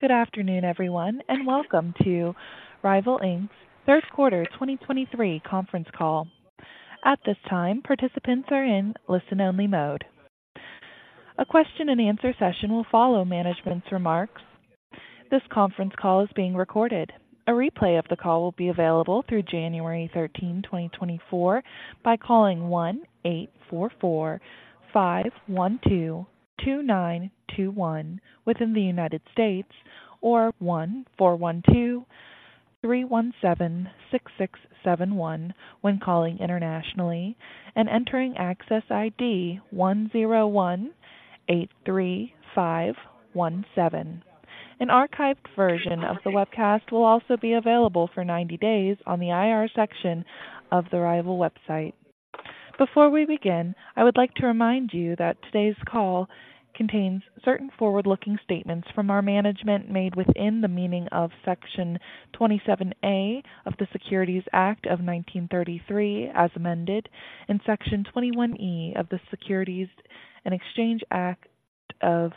Good afternoon, everyone, and welcome to RYVYL, Inc.'s third quarter 2023 conference call. At this time, participants are in listen-only mode. A question and answer session will follow management's remarks. This conference call is being recorded. A replay of the call will be available through January 13, 2024, by calling 1-844-512-2921 within the United States, or 1-412-317-6671 when calling internationally and entering access ID 10183517. An archived version of the webcast will also be available for 90 days on the IR section of the RYVYL website. Before we begin, I would like to remind you that today's call contains certain forward-looking statements from our management made within the meaning of Section 27A of the Securities Act of 1933, as amended, and Section 21E of the Securities and Exchange Act of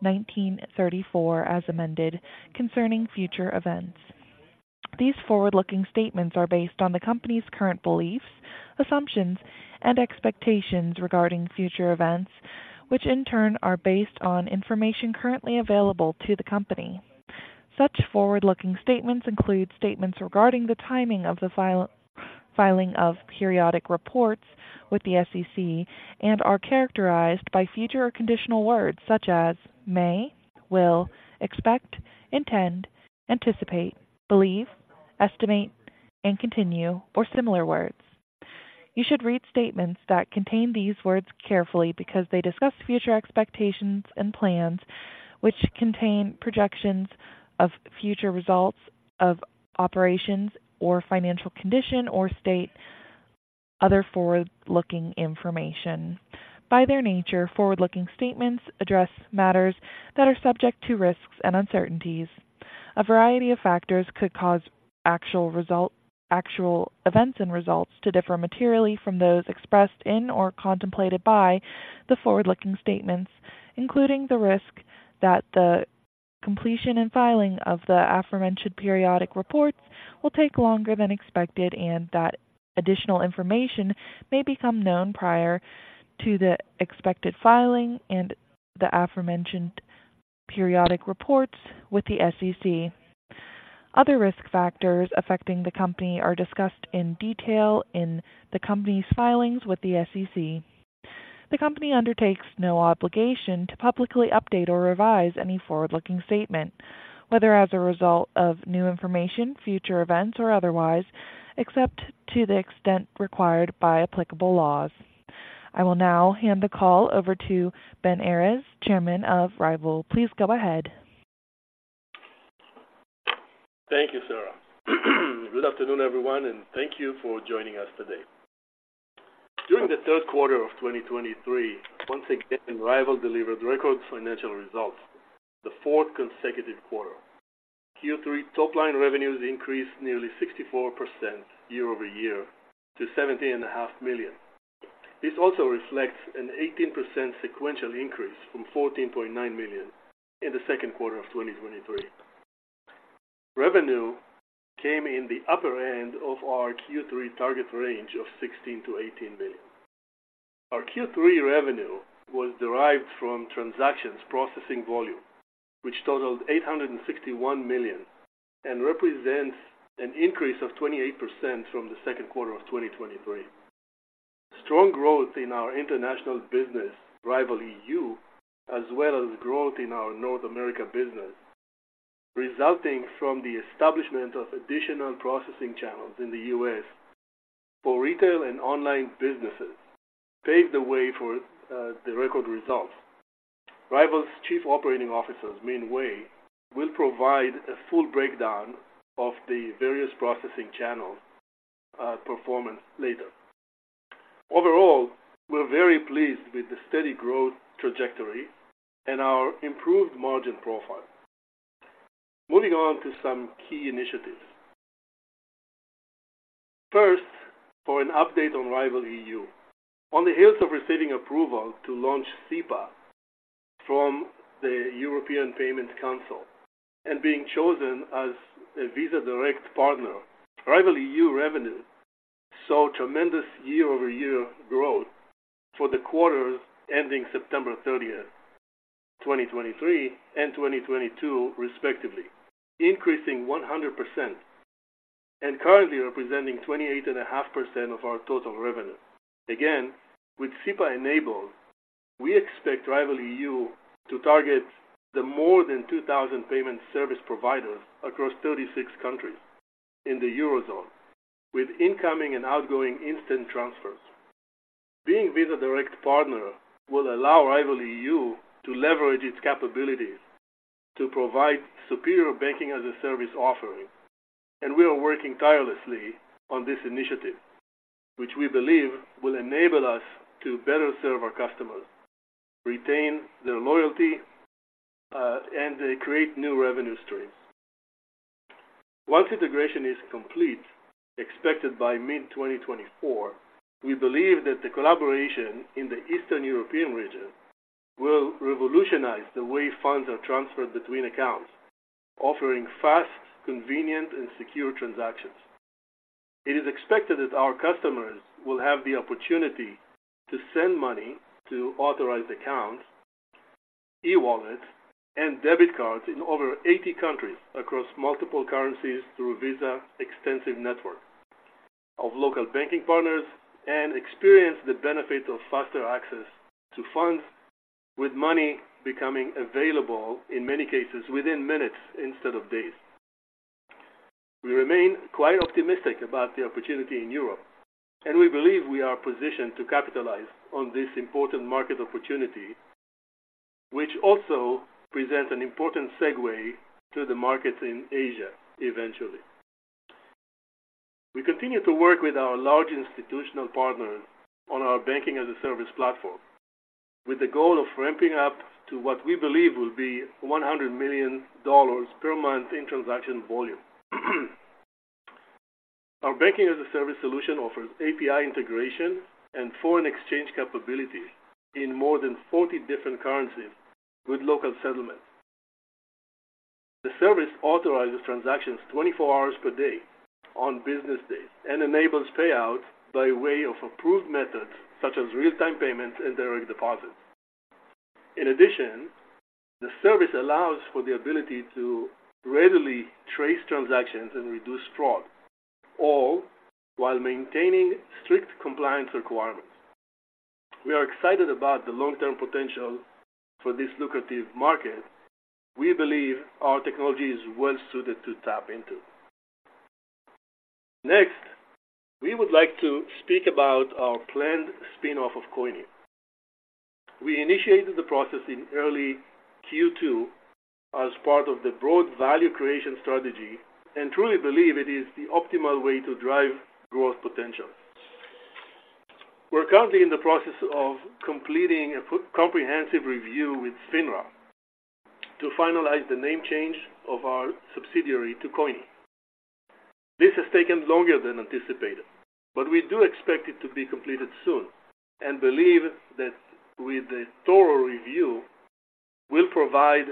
1934, as amended, concerning future events. These forward-looking statements are based on the Company's current beliefs, assumptions, and expectations regarding future events, which in turn are based on information currently available to the Company. Such forward-looking statements include statements regarding the timing of the filing of periodic reports with the SEC, and are characterized by future or conditional words such as may, will, expect, intend, anticipate, believe, estimate, and continue, or similar words. You should read statements that contain these words carefully because they discuss future expectations and plans, which contain projections of future results of operations or financial condition or state other forward-looking information. By their nature, forward-looking statements address matters that are subject to risks and uncertainties. A variety of factors could cause actual results, actual events and results to differ materially from those expressed in or contemplated by the forward-looking statements, including the risk that the completion and filing of the aforementioned periodic reports will take longer than expected and that additional information may become known prior to the expected filing and the aforementioned periodic reports with the SEC. Other risk factors affecting the company are discussed in detail in the company's filings with the SEC. The company undertakes no obligation to publicly update or revise any forward-looking statement, whether as a result of new information, future events, or otherwise, except to the extent required by applicable laws. I will now hand the call over to Ben Errez, Chairman of RYVYL. Please go ahead. Thank you, Sarah. Good afternoon, everyone, and thank you for joining us today. During the third quarter of 2023, once again, RYVYL delivered record financial results, the fourth consecutive quarter. Q3 top-line revenues increased nearly 64% year-over-year to $17.5 million. This also reflects an 18% sequential increase from $14.9 million in the second quarter of 2023. Revenue came in the upper end of our Q3 target range of $16 million-$18 million. Our Q3 revenue was derived from transactions processing volume, which totaled $861 million, and represents an increase of 28% from the second quarter of 2023. Strong growth in our international business, RYVYL EU, as well as growth in our North America business, resulting from the establishment of additional processing channels in the US for retail and online businesses, paved the way for the record results. RYVYL's Chief Operating Officer, Min Wei, will provide a full breakdown of the various processing channels performance later. Overall, we're very pleased with the steady growth trajectory and our improved margin profile. Moving on to some key initiatives. First, for an update on RYVYL EU. On the heels of receiving approval to launch SEPA from the European Payments Council and being chosen as a Visa Direct partner, RYVYL EU revenue saw tremendous year-over-year growth for the quarters ending September 30, 2023 and 2022, respectively, increasing 100% and currently representing 28.5% of our total revenue. Again, with SEPA enabled, we expect RYVYL EU to target the more than 2,000 payment service providers across 36 countries in the Eurozone, with incoming and outgoing instant transfers. Being Visa Direct partner will allow RYVYL EU to leverage its capabilities to provide superior banking-as-a-service offering, and we are working tirelessly on this initiative, which we believe will enable us to better serve our customers, retain their loyalty, and create new revenue streams.... Once integration is complete, expected by mid-2024, we believe that the collaboration in the Eastern European region will revolutionize the way funds are transferred between accounts, offering fast, convenient, and secure transactions. It is expected that our customers will have the opportunity to send money to authorized accounts, e-wallets, and debit cards in over 80 countries across multiple currencies through Visa extensive network of local banking partners, and experience the benefits of faster access to funds, with money becoming available, in many cases, within minutes instead of days. We remain quite optimistic about the opportunity in Europe, and we believe we are positioned to capitalize on this important market opportunity, which also presents an important segue to the markets in Asia eventually. We continue to work with our large institutional partners on our banking-as-a-service platform, with the goal of ramping up to what we believe will be $100 million per month in transaction volume. Our banking-as-a-service solution offers API integration and foreign exchange capabilities in more than 40 different currencies with local settlement. The service authorizes transactions 24 hours per day on business days and enables payouts by way of approved methods such as real-time payments and direct deposits. In addition, the service allows for the ability to readily trace transactions and reduce fraud, all while maintaining strict compliance requirements. We are excited about the long-term potential for this lucrative market. We believe our technology is well-suited to tap into. Next, we would like to speak about our planned spin-off of Coyni. We initiated the process in early Q2 as part of the broad value creation strategy and truly believe it is the optimal way to drive growth potential. We're currently in the process of completing a comprehensive review with FINRA to finalize the name change of our subsidiary to Coyni. This has taken longer than anticipated, but we do expect it to be completed soon, and believe that with a thorough review, we'll provide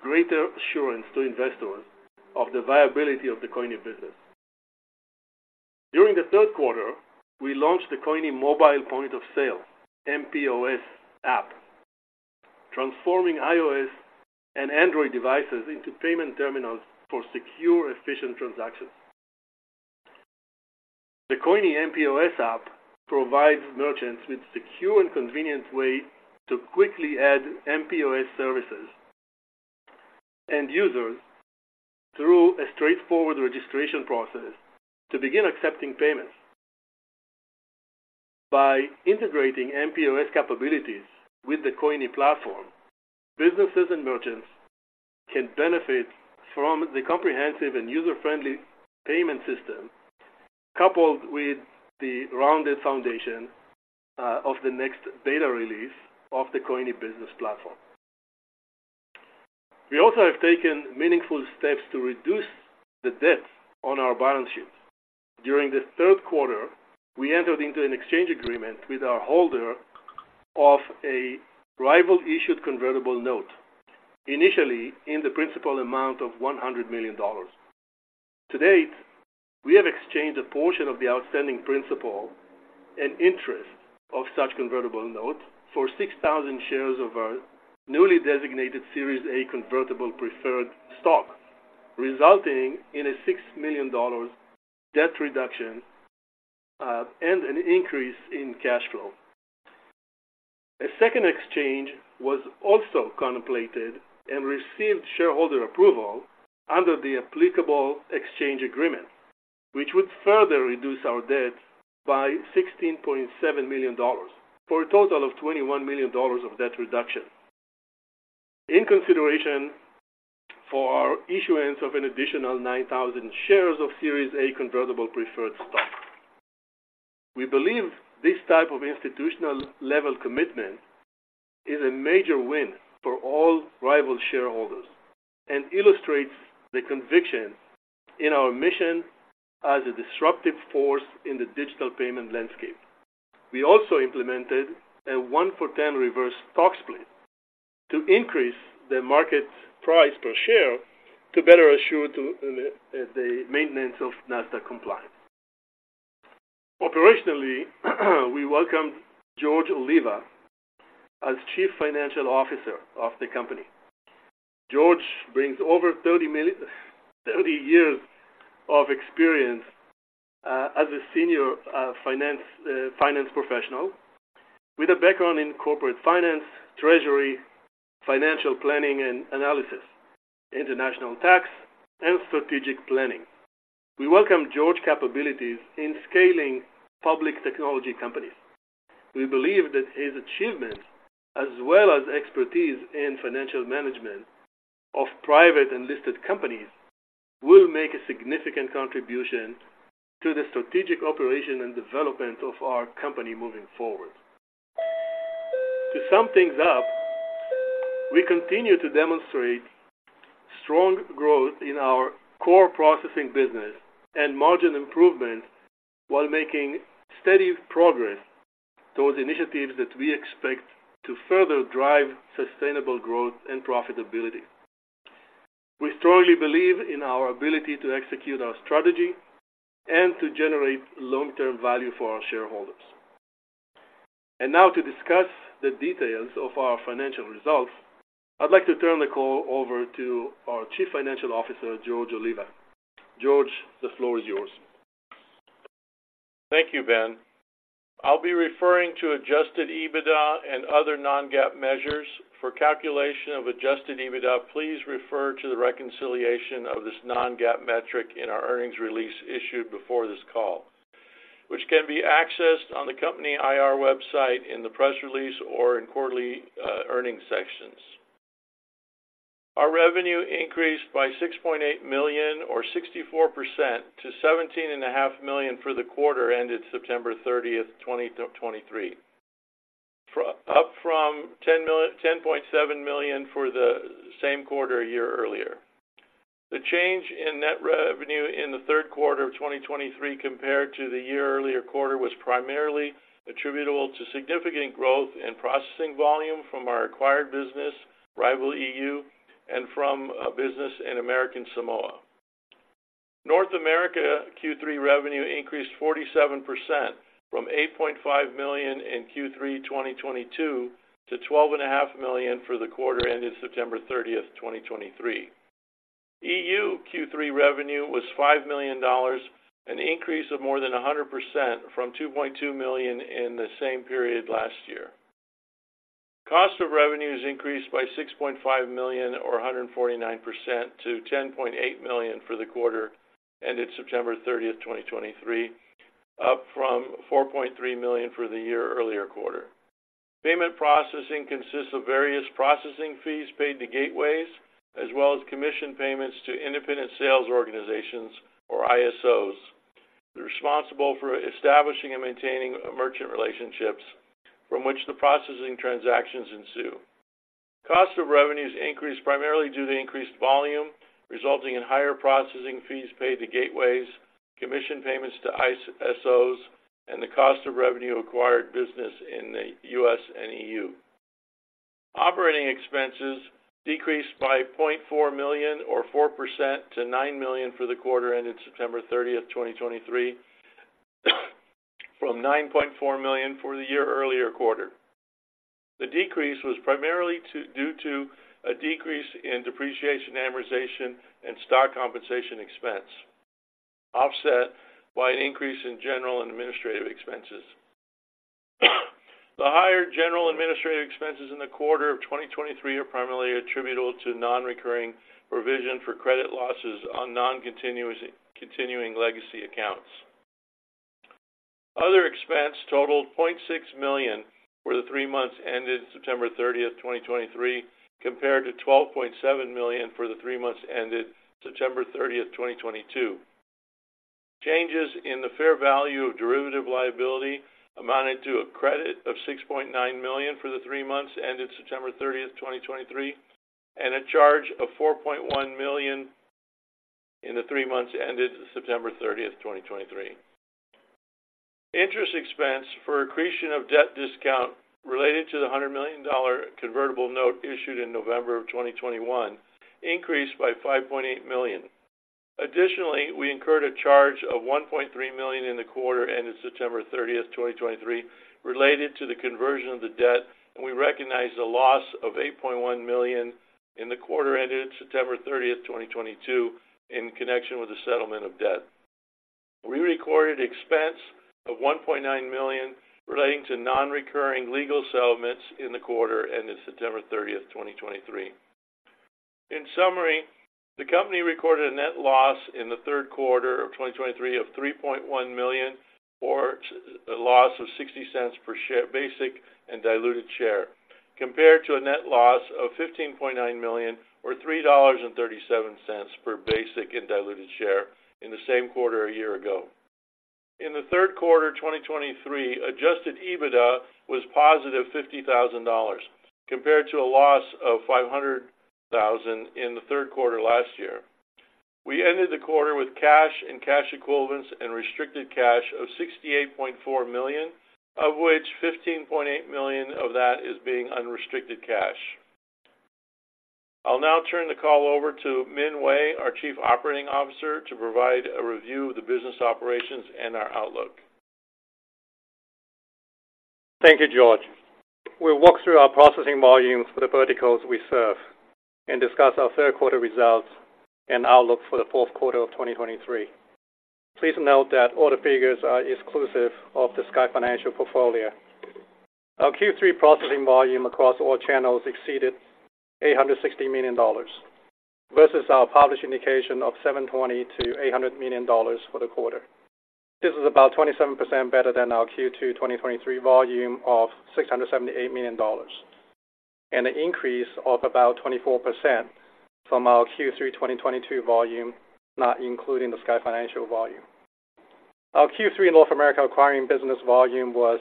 greater assurance to investors of the viability of the Coyni business. During the third quarter, we launched the Coyni Mobile Point of Sale, mPOS app, transforming iOS and Android devices into payment terminals for secure, efficient transactions. The Coyni mPOS app provides merchants with secure and convenient way to quickly add mPOS services, and users, through a straightforward registration process, to begin accepting payments. By integrating mPOS capabilities with the Coyni platform, businesses and merchants can benefit from the comprehensive and user-friendly payment system, coupled with the rounded foundation, of the next beta release of the Coyni business platform. We also have taken meaningful steps to reduce the debt on our balance sheet. During the third quarter, we entered into an exchange agreement with our holder of a RYVYL-issued convertible note, initially in the principal amount of $100 million. To date, we have exchanged a portion of the outstanding principal and interest of such convertible notes for 6,000 shares of our newly designated Series A convertible preferred stock, resulting in a $6 million debt reduction and an increase in cash flow. A second exchange was also contemplated and received shareholder approval under the applicable exchange agreement, which would further reduce our debt by $16.7 million, for a total of $21 million of debt reduction. In consideration for our issuance of an additional 9,000 shares of Series A convertible preferred stock. We believe this type of institutional-level commitment is a major win for all RYVYL shareholders and illustrates the conviction in our mission as a disruptive force in the digital payment landscape. We also implemented a 1-for-10 reverse stock split to increase the market price per share to better assure the maintenance of NASDAQ compliance. Operationally, we welcomed George Oliva as Chief Financial Officer of the company. George brings over 30 years of experience as a senior finance professional with a background in corporate finance, treasury, financial planning and analysis, international tax, and strategic planning. We welcome George's capabilities in scaling public technology companies. We believe that his achievements, as well as expertise in financial management of private and listed companies, will make a significant contribution to the strategic operation and development of our company moving forward. To sum things up, we continue to demonstrate strong growth in our core processing business and margin improvement, while making steady progress towards initiatives that we expect to further drive sustainable growth and profitability. We strongly believe in our ability to execute our strategy and to generate long-term value for our shareholders. And now, to discuss the details of our financial results, I'd like to turn the call over to our Chief Financial Officer, George Oliva. George, the floor is yours. Thank you, Ben. I'll be referring to Adjusted EBITDA and other non-GAAP measures. For calculation of Adjusted EBITDA, please refer to the reconciliation of this non-GAAP metric in our earnings release issued before this call, which can be accessed on the company IR website, in the press release or in quarterly earnings sections. Our revenue increased by $6.8 million or 64% to $17.5 million for the quarter ended September 30, 2023, up from $10.7 million for the same quarter a year earlier. The change in net revenue in the third quarter of 2023 compared to the year-earlier quarter was primarily attributable to significant growth in processing volume from our acquired business, RYVYL EU, and from a business in American Samoa. North America Q3 revenue increased 47% from $8.5 million in Q3 2022 to $12.5 million for the quarter ending September 30, 2023. EU Q3 revenue was $5 million, an increase of more than 100% from $2.2 million in the same period last year. Cost of revenues increased by $6.5 million, or 149% to $10.8 million for the quarter ended September 30, 2023, up from $4.3 million for the year earlier quarter. Payment processing consists of various processing fees paid to gateways, as well as commission payments to independent sales organizations, or ISOs. They're responsible for establishing and maintaining merchant relationships from which the processing transactions ensue. Cost of revenues increased primarily due to increased volume, resulting in higher processing fees paid to gateways, commission payments to ISOs, and the cost of revenue acquired business in the U.S. and EU. Operating expenses decreased by $0.4 million or 4% to $9 million for the quarter ended September 30, 2023, from $9.4 million for the year-earlier quarter. The decrease was primarily due to a decrease in depreciation, amortization, and stock compensation expense, offset by an increase in general and administrative expenses. The higher general administrative expenses in the quarter of 2023 are primarily attributable to non-recurring provision for credit losses on non-continuing legacy accounts. Other expense totaled $0.6 million for the three months ended September 30, 2023, compared to $12.7 million for the three months ended September 30, 2022. Changes in the fair value of Derivative Liability amounted to a credit of $6.9 million for the three months ended September 30, 2023, and a charge of $4.1 million in the three months ended September 30, 2023. Interest expense for accretion of debt discount related to the $100 million convertible note issued in November of 2021 increased by $5.8 million. Additionally, we incurred a charge of $1.3 million in the quarter ending September 30, 2023, related to the conversion of the debt, and we recognized a loss of $8.1 million in the quarter ended September 30, 2022, in connection with the settlement of debt. We recorded expense of $1.9 million relating to non-recurring legal settlements in the quarter ending September 30, 2023. In summary, the company recorded a net loss in the third quarter of 2023 of $3.1 million, or a loss of $0.60 per share, basic and diluted share, compared to a net loss of $15.9 million or $3.37 per basic and diluted share in the same quarter a year ago. In the third quarter of 2023, Adjusted EBITDA was positive $50,000, compared to a loss of $500,000 in the third quarter last year. We ended the quarter with cash and cash equivalents and restricted cash of $68.4 million, of which $15.8 million of that is being unrestricted cash. I'll now turn the call over to Min Wei, our Chief Operating Officer, to provide a review of the business operations and our outlook. Thank you, George. We'll walk through our processing volume for the verticals we serve and discuss our third quarter results and outlook for the fourth quarter of 2023. Please note that all the figures are exclusive of the Sky Financial portfolio. Our Q3 processing volume across all channels exceeded $860 million, versus our published indication of $720 million-$800 million for the quarter. This is about 27% better than our Q2 2023 volume of $678 million, and an increase of about 24% from our Q3 2022 volume, not including the Sky Financial volume.... Our Q3 North America acquiring business volume was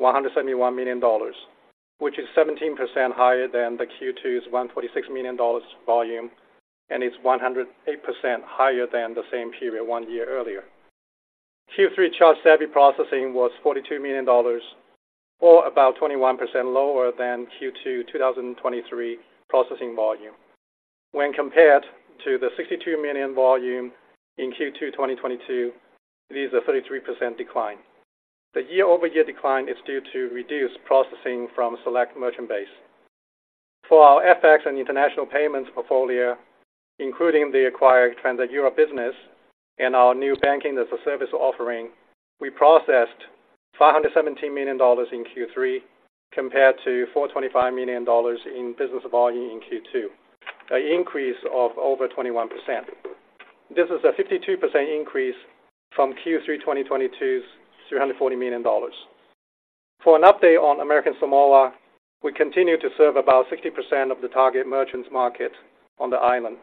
$171 million, which is 17% higher than the Q2's $146 million volume, and it's 108% higher than the same period one year earlier. Q3 ChargeSavvy processing was $42 million, or about 21% lower than Q2 2023 processing volume. When compared to the $62 million volume in Q2 2022, it is a 33% decline. The year-over-year decline is due to reduced processing from select merchant base. For our FX and international payments portfolio, including the acquired Transact Europe business and our new Banking-as-a-Service offering, we processed $517 million in Q3, compared to $425 million in business volume in Q2, an increase of over 21%. This is a 52% increase from Q3 2022's $340 million. For an update on American Samoa, we continue to serve about 60% of the target merchants market on the island.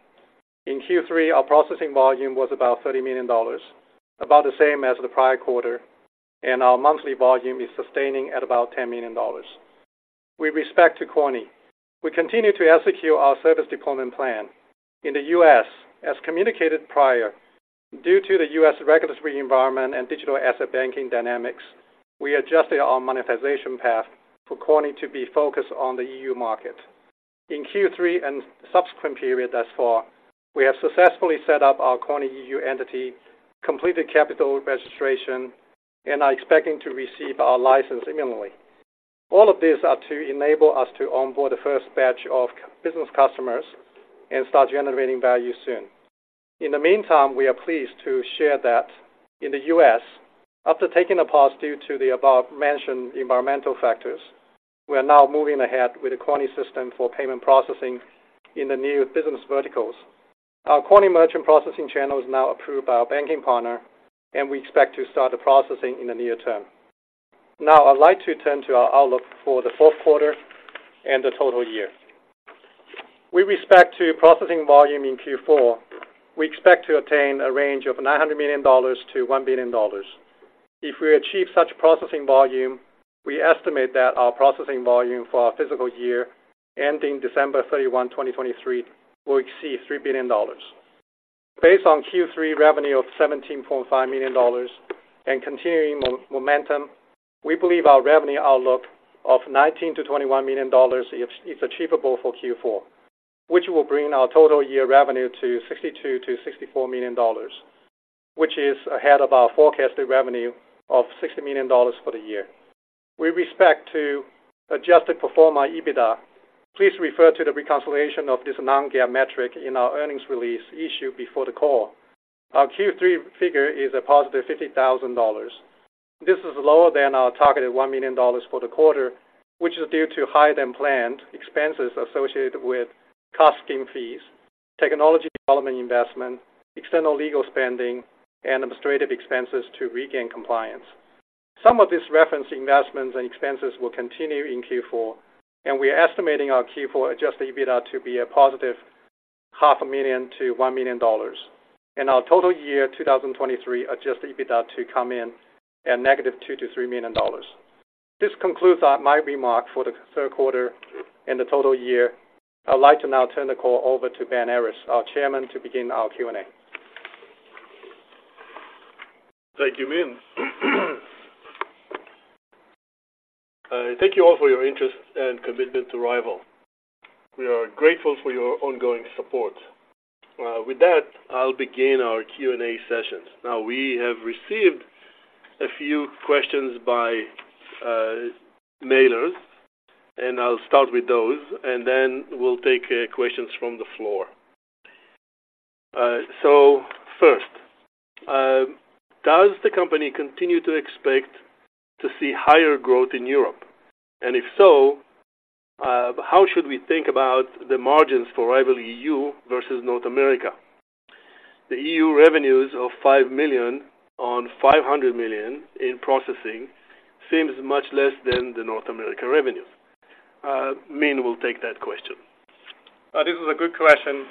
In Q3, our processing volume was about $30 million, about the same as the prior quarter, and our monthly volume is sustaining at about $10 million. With respect to Coyni, we continue to execute our service deployment plan. In the U.S., as communicated prior, due to the U.S. regulatory environment and digital asset banking dynamics, we adjusted our monetization path for Coyni to be focused on the EU market. In Q3 and subsequent periods thus far, we have successfully set up our Coyni EU entity, completed capital registration, and are expecting to receive our license imminently. All of these are to enable us to onboard the first batch of business customers and start generating value soon. In the meantime, we are pleased to share that in the U.S., after taking a pause due to the above-mentioned environmental factors, we are now moving ahead with the Coyni system for payment processing in the new business verticals. Our Coyni merchant processing channel is now approved by our banking partner, and we expect to start the processing in the near term. Now I'd like to turn to our outlook for the fourth quarter and the total year. With respect to processing volume in Q4, we expect to attain a range of $9 million-$1 billion. If we achieve such processing volume, we estimate that our processing volume for our fiscal year, ending December 31, 2023, will exceed $3 billion. Based on Q3 revenue of $17.5 million and continuing momentum, we believe our revenue outlook of $19 million-$21 million is achievable for Q4, which will bring our total year revenue to $62 million-$64 million, which is ahead of our forecasted revenue of $60 million for the year. With respect to Adjusted EBITDA, please refer to the reconciliation of this non-GAAP metric in our earnings release issued before the call. Our Q3 figure is a positive $50,000. This is lower than our targeted $1 million for the quarter, which is due to higher-than-planned expenses associated with costing fees, technology development investment, external legal spending, and administrative expenses to regain compliance. Some of these referenced investments and expenses will continue in Q4, and we are estimating our Q4 Adjusted EBITDA to be a positive $500,000-$1 million, and our total year 2023 Adjusted EBITDA to come in at negative $2 million-$3 million. This concludes my remarks for the third quarter and the total year. I'd like to now turn the call over to Ben Errez, our Chairman, to begin our Q&A. Thank you, Min. Thank you all for your interest and commitment to RYVYL. We are grateful for your ongoing support. With that, I'll begin our Q&A session. Now, we have received a few questions by mailers, and I'll start with those, and then we'll take questions from the floor. First, does the company continue to expect to see higher growth in Europe? And if so, how should we think about the margins for RYVYL EU versus North America? The EU revenues of $5 million on $500 million in processing seems much less than the North American revenue. Min will take that question. This is a good question.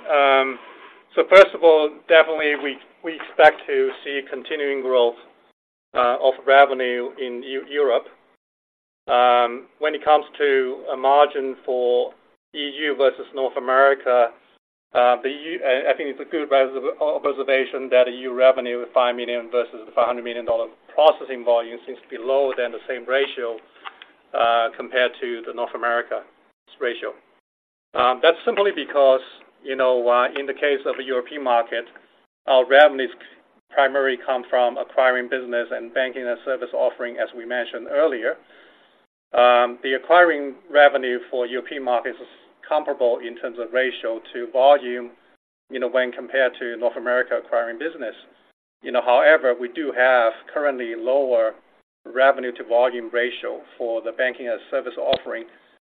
So first of all, definitely we expect to see continuing growth of revenue in Europe. When it comes to a margin for EU versus North America, the EU, I think it's a good observation that EU revenue of $5 million versus $500 million processing volume seems to be lower than the same ratio compared to the North America's ratio. That's simply because, you know, in the case of the European market, our revenues primarily come from acquiring business and banking as service offering, as we mentioned earlier. The acquiring revenue for European markets is comparable in terms of ratio to volume, you know, when compared to North America acquiring business. You know, however, we do have currently lower revenue to volume ratio for the banking-as-a-service offering,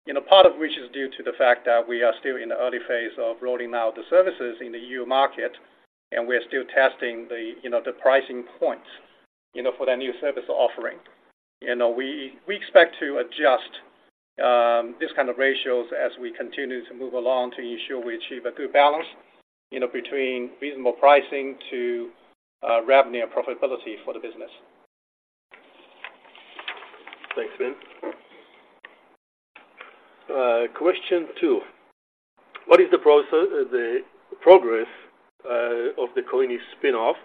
you know, part of which is due to the fact that we are still in the early phase of rolling out the services in the EU market, and we are still testing the, you know, the pricing points, you know, for that new service offering. You know, we expect to adjust these kind of ratios as we continue to move along, to ensure we achieve a good balance, you know, between reasonable pricing to revenue and profitability for the business. Thanks, Min. Question two: What is the process, the progress, of the Coyni spin-off,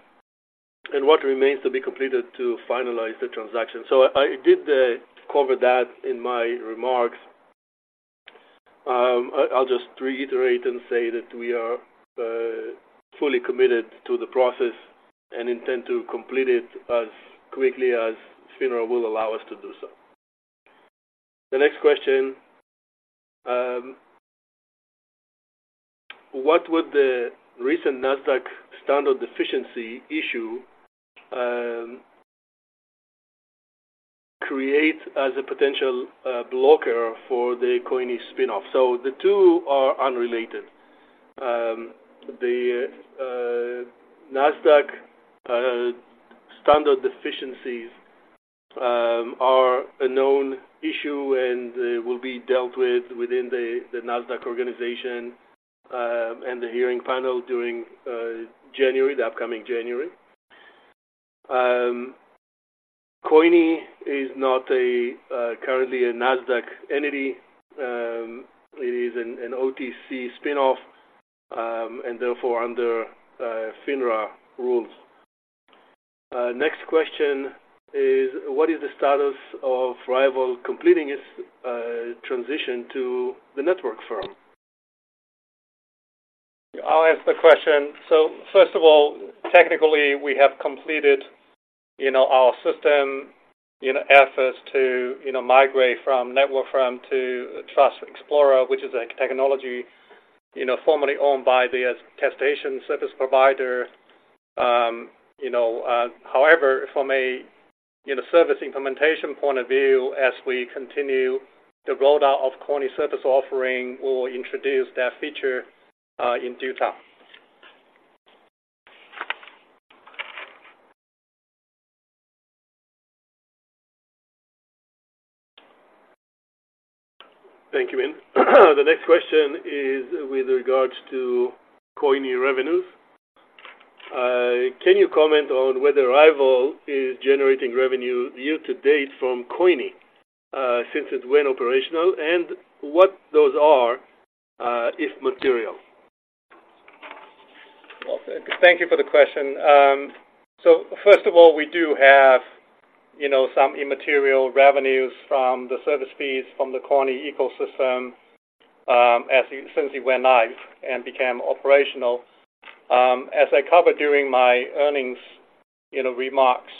and what remains to be completed to finalize the transaction? So I did cover that in my remarks. I'll just reiterate and say that we are fully committed to the process and intend to complete it as quickly as FINRA will allow us to do so. The next question: What would the recent NASDAQ standard deficiency issue create as a potential blocker for the Coyni spin-off? So the two are unrelated. The NASDAQ standard deficiencies are a known issue and will be dealt with within the NASDAQ organization and the hearing panel during January, the upcoming January. Coyni is not currently a NASDAQ entity. It is an OTC spin-off, and therefore under FINRA rules. Next question is: What is the status of RYVYL completing its transition to The Network Firm? I'll answer the question. So first of all, technically, we have completed, you know, our system, you know, efforts to, you know, migrate from Network Firm to Trust Explorer, which is a technology, you know, formerly owned by the attestation service provider. You know, however, from a, you know, service implementation point of view, as we continue the rollout of Coyni service offering, we'll introduce that feature in due time. Thank you, Min. The next question is with regards to Coyni revenues. Can you comment on whether RYVYL is generating revenue year to date from Coyni, since it went operational, and what those are, if material? Well, thank you for the question. So first of all, we do have, you know, some immaterial revenues from the service fees from the Coyni ecosystem, as – since it went live and became operational. As I covered during my earnings, you know, remarks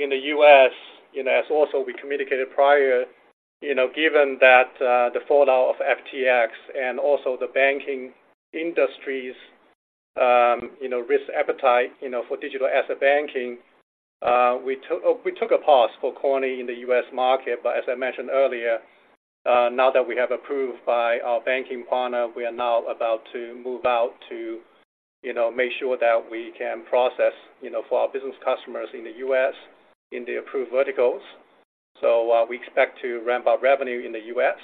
in the U.S., you know, as also we communicated prior, you know, given that the fallout of FTX and also the banking industry's, you know, risk appetite, you know, for digital asset banking, we took a pause for Coyni in the U.S. market. But as I mentioned earlier, now that we have approved by our banking partner, we are now about to move out to, you know, make sure that we can process, you know, for our business customers in the U.S. in the approved verticals. We expect to ramp up revenue in the U.S.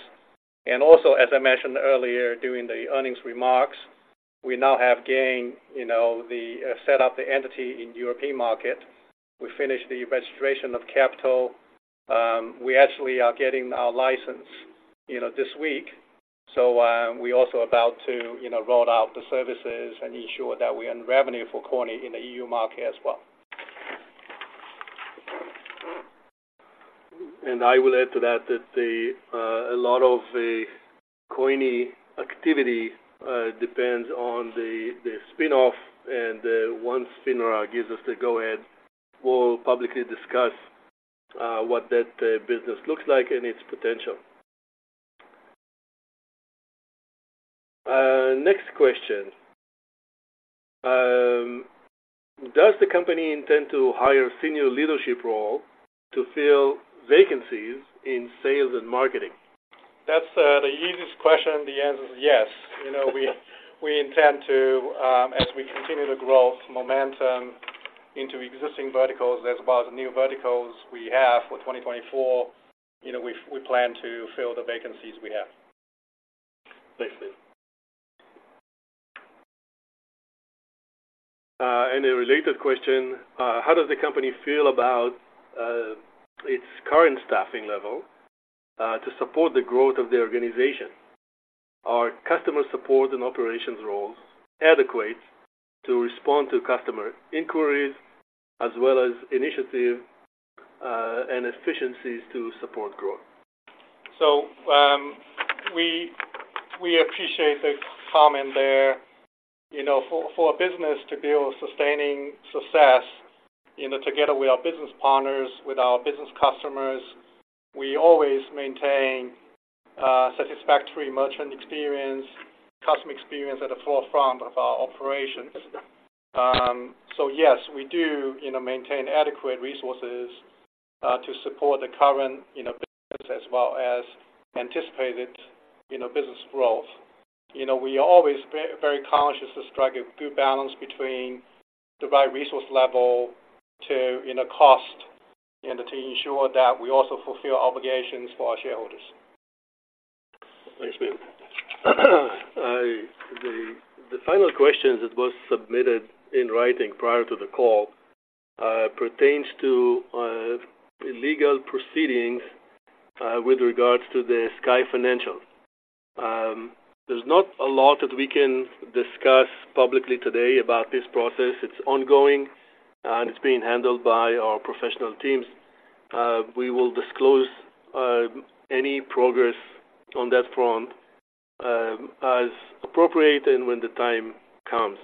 Also, as I mentioned earlier during the earnings remarks, we now have gained, you know, the set up the entity in European market. We finished the registration of capital. We actually are getting our license, you know, this week. We also about to, you know, roll out the services and ensure that we earn revenue for Coyni in the EU market as well. And I will add to that, that a lot of the Coyni activity depends on the spin-off, and once FINRA gives us the go-ahead, we'll publicly discuss what that business looks like and its potential. Next question. Does the company intend to hire senior leadership role to fill vacancies in sales and marketing? That's the easiest question. The answer is yes. You know, we intend to, as we continue to grow momentum into existing verticals, as well as new verticals we have for 2024, you know, we plan to fill the vacancies we have. Thanks, Min. And a related question: How does the company feel about its current staffing level to support the growth of the organization? Are customer support and operations roles adequate to respond to customer inquiries as well as initiative and efficiencies to support growth? So, we appreciate the comment there. You know, for a business to build sustaining success, you know, together with our business partners, with our business customers, we always maintain satisfactory merchant experience, customer experience at the forefront of our operations. So yes, we do, you know, maintain adequate resources to support the current, you know, business as well as anticipated, you know, business growth. You know, we are always very conscious to strike a good balance between the right resource level to, you know, cost and to ensure that we also fulfill our obligations for our shareholders. Thanks, Min. The final question that was submitted in writing prior to the call pertains to legal proceedings with regards to the Sky Financial. There's not a lot that we can discuss publicly today about this process. It's ongoing, and it's being handled by our professional teams. We will disclose any progress on that front as appropriate and when the time comes.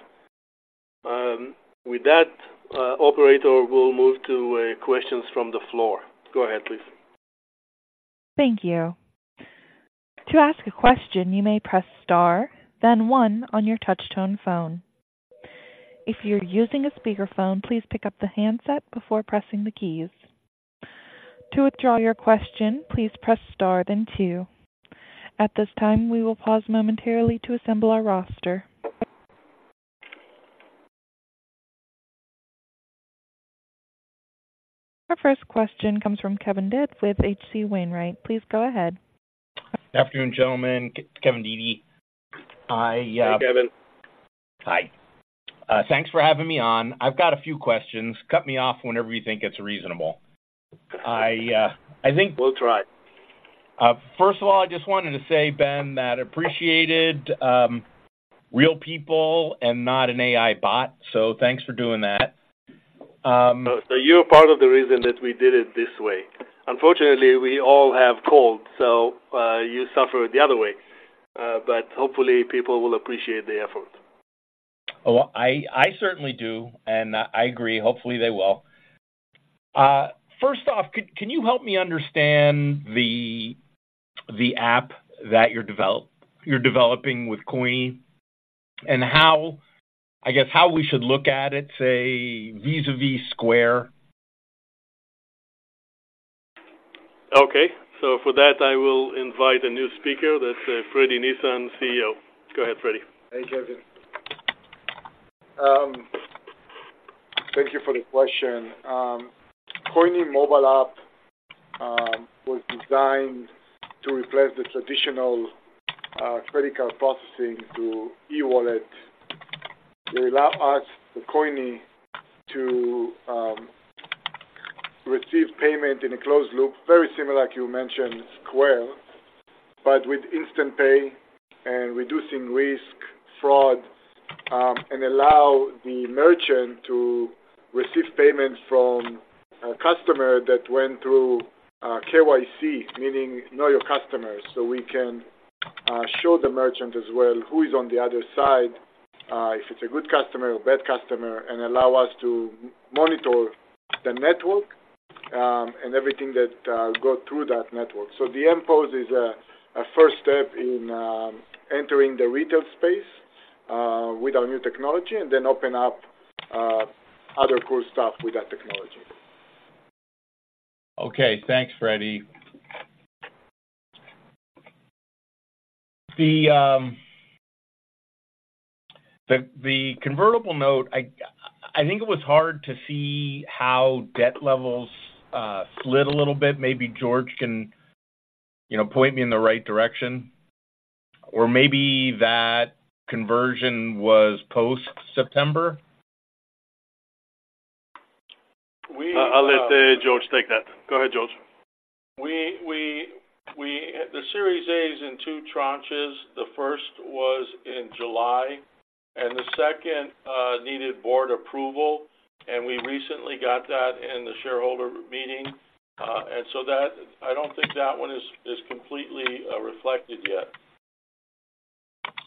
With that, operator, we'll move to questions from the floor. Go ahead, please. Thank you. To ask a question, you may press Star, then one on your touch tone phone. If you're using a speakerphone, please pick up the handset before pressing the keys. To withdraw your question, please press Star, then two. At this time, we will pause momentarily to assemble our roster. Our first question comes from Kevin Dede with H.C. Wainwright. Please go ahead. Good afternoon, gentlemen. Kevin Dede. I, Hey, Kevin. Hi. Thanks for having me on. I've got a few questions. Cut me off whenever you think it's reasonable. I, I think- We'll try. First of all, I just wanted to say, Ben, that appreciated, real people and not an AI bot, so thanks for doing that. So you're part of the reason that we did it this way. Unfortunately, we all have cold, so you suffer the other way, but hopefully, people will appreciate the effort. Oh, I certainly do, and I agree. Hopefully, they will. First off, can you help me understand the app that you're developing with Coyni, and how, I guess, how we should look at it, say, vis-à-vis Square? Okay. So for that, I will invite a new speaker. That's Fredi Nisan, CEO. Go ahead, Fredi. Hey, Kevin. Thank you for the question. Coyni mobile app was designed to replace the traditional, credit card processing to e-wallet. They allow us, the Coyni, to receive payment in a closed loop, very similar, like you mentioned, Square, but with instant pay and reducing risk, fraud, and allow the merchant to receive payments from a customer that went through KYC, meaning Know Your Customers. So we can show the merchant as well, who is on the other side, if it's a good customer or bad customer, and allow us to monitor the network, and everything that go through that network. So the mPOS is a first step in entering the retail space with our new technology and then open up other cool stuff with that technology. Okay. Thanks, Fredi. The convertible note, I think it was hard to see how debt levels slid a little bit. Maybe George can, you know, point me in the right direction, or maybe that conversion was post-September? I'll let George take that. Go ahead, George. The Series A is in two tranches. The first was in July, and the second needed board approval, and we recently got that in the shareholder meeting. And so that, I don't think that one is completely reflected yet,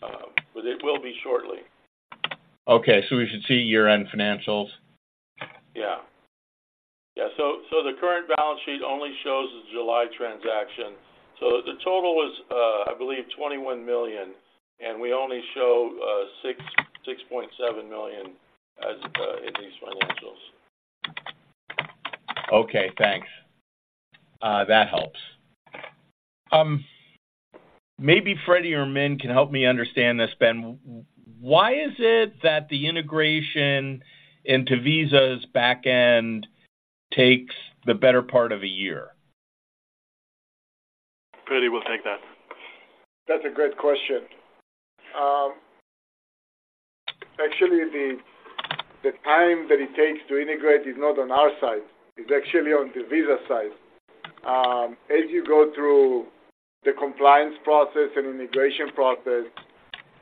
but it will be shortly. Okay. We should see year-end financials? Yeah. Yeah, so, so the current balance sheet only shows the July transaction. So the total was, I believe, $21 million, and we only show $6.7 million as in these financials. Okay, thanks. That helps. Maybe Fredi or Min can help me understand this, Ben. Why is it that the integration into Visa's back end takes the better part of a year? Fredi will take that. That's a great question. Actually, the time that it takes to integrate is not on our side. It's actually on the Visa side. As you go through the compliance process and integration process,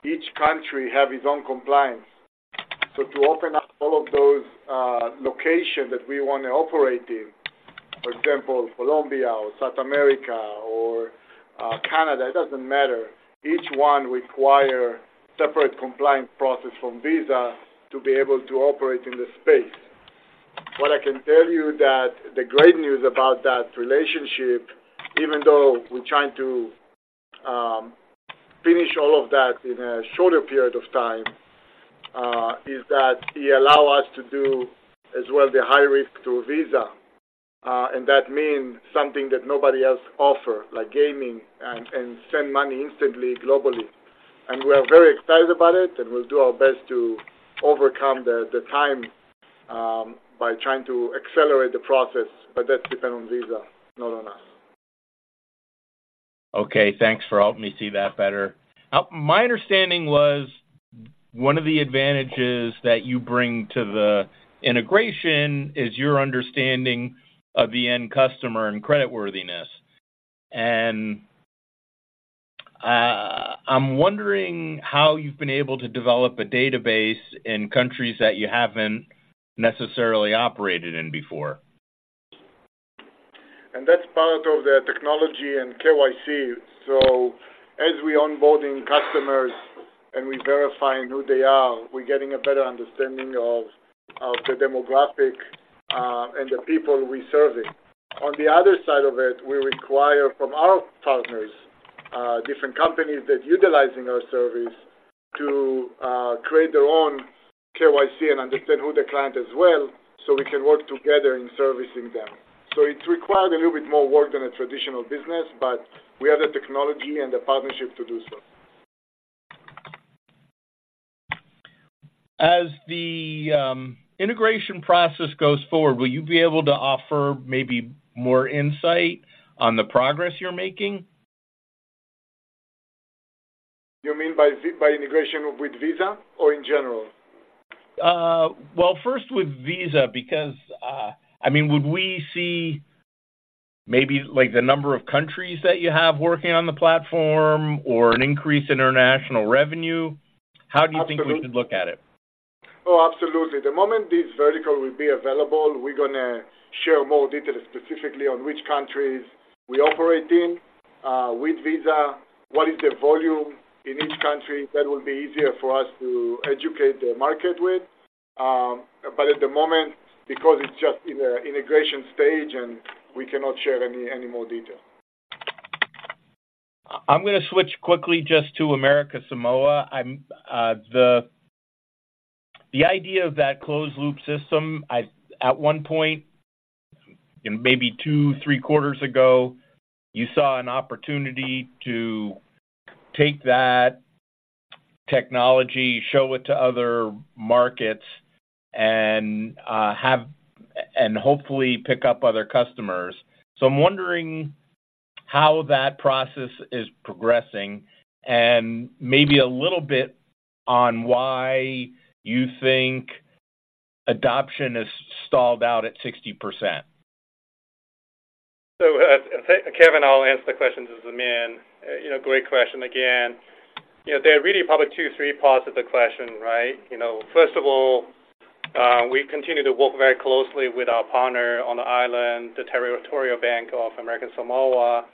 each country have its own compliance. So to open up all of those locations that we want to operate in, for example, Colombia or South America or Canada, it doesn't matter. Each one require separate compliance process from Visa to be able to operate in the space. What I can tell you that the great news about that relationship, even though we're trying to finish all of that in a shorter period of time is that he allow us to do as well the high risk to Visa, and that mean something that nobody else offer, like gaming and send money instantly, globally. We are very excited about it, and we'll do our best to overcome the time by trying to accelerate the process, but that depend on Visa, not on us. Okay, thanks for helping me see that better. My understanding was one of the advantages that you bring to the integration is your understanding of the end customer and creditworthiness. And, I'm wondering how you've been able to develop a database in countries that you haven't necessarily operated in before? And that's part of the technology and KYC. So as we're onboarding customers and we're verifying who they are, we're getting a better understanding of, of the demographic, and the people we serving. On the other side of it, we require from our partners, different companies that's utilizing our service, to create their own KYC and understand who the client is well, so we can work together in servicing them. So it required a little bit more work than a traditional business, but we have the technology and the partnership to do so. As the integration process goes forward, will you be able to offer maybe more insight on the progress you're making? You mean by integration with Visa or in general? Well, first with Visa, because, I mean, would we see maybe, like, the number of countries that you have working on the platform or an increase in international revenue? Absolutely. How do you think we should look at it? Oh, absolutely. The moment this vertical will be available, we're gonna share more details, specifically on which countries we operate in, with Visa, what is the volume in each country. That will be easier for us to educate the market with. But at the moment, because it's just in the integration stage, and we cannot share any more detail. I'm gonna switch quickly just to American Samoa. I'm the idea of that closed-loop system. At one point, in maybe two to three quarters ago, you saw an opportunity to take that technology, show it to other markets, and hopefully pick up other customers. So I'm wondering how that process is progressing and maybe a little bit on why you think adoption has stalled out at 60%. So, Kevin, I'll answer the question to zoom in. You know, great question again. You know, there are really probably two, three parts of the question, right? You know, first of all, we continue to work very closely with our partner on the island, the Territorial Bank of American Samoa,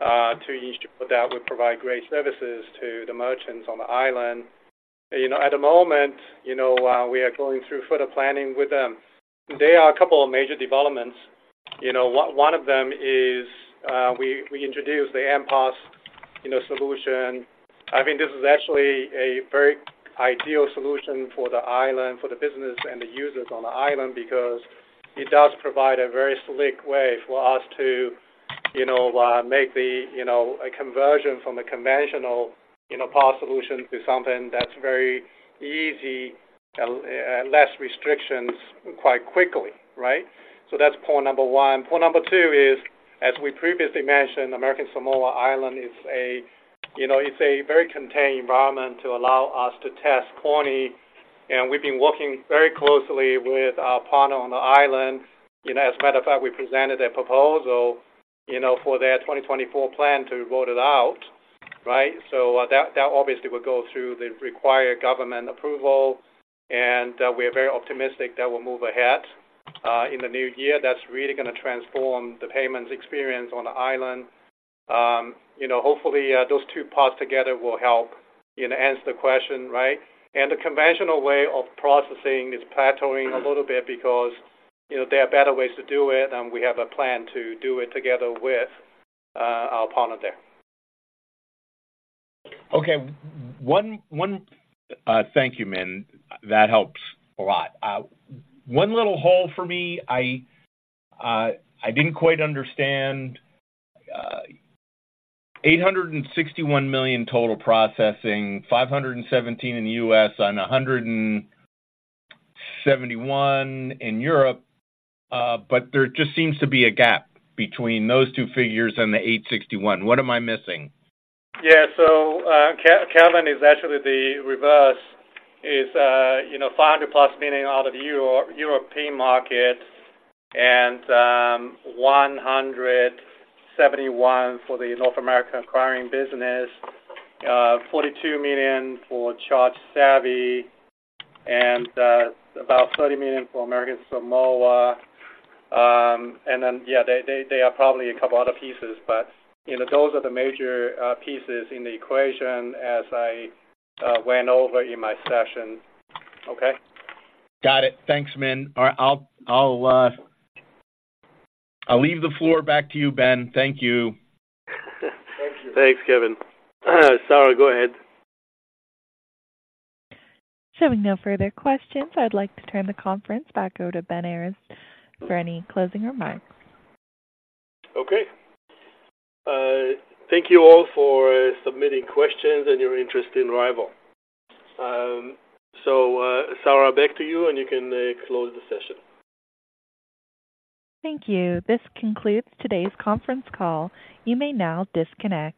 to ensure that we provide great services to the merchants on the island. You know, at the moment, you know, we are going through further planning with them. There are a couple of major developments. You know, one of them is, we introduced the mPOS, you know, solution. I think this is actually a very ideal solution for the island, for the business and the users on the island, because it does provide a very slick way for us to, you know, make the, you know, a conversion from the conventional, you know, POS solution to something that's very easy and, and less restrictions quite quickly, right? So that's point number one. Point number two is, as we previously mentioned, American Samoa is a, you know, it's a very contained environment to allow us to test Coyni, and we've been working very closely with our partner on the island. You know, as a matter of fact, we presented a proposal, you know, for their 2024 plan to roll it out, right? So that, that obviously will go through the required government approval, and, we are very optimistic that will move ahead, in the new year. That's really gonna transform the payments experience on the island. You know, hopefully, those two parts together will help, you know, answer the question, right? And the conventional way of processing is plateauing a little bit because, you know, there are better ways to do it, and we have a plan to do it together with, our partner there. Okay, one, one... Thank you, Min. That helps a lot. One little hole for me, I, I didn't quite understand, $861 million total processing, $517 million in the U.S. and $171 million in Europe, but there just seems to be a gap between those two figures and the $861 million. What am I missing? Yeah. So, Kevin, it's actually the reverse. It's, you know, $500+ million out of Europe, European market and $171 for the North American acquiring business, $42 million for ChargeSavvy, and about $30 million for American Samoa. And then, yeah, there are probably a couple other pieces, but, you know, those are the major pieces in the equation as I went over in my session. Okay? Got it. Thanks, Min. All right, I'll leave the floor back to you, Ben. Thank you. Thank you. Thanks, Kevin. Sarah, go ahead. Showing no further questions, I'd like to turn the conference back over to Ben Errez for any closing remarks. Okay. Thank you all for submitting questions and your interest in RYVYL. So, Sarah, back to you, and you can close the session. Thank you. This concludes today's conference call. You may now disconnect.